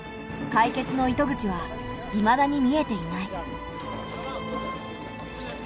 解決の糸口はいまだに見えていない。